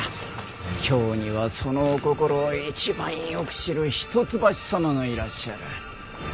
京にはそのお心を一番よく知る一橋様がいらっしゃる。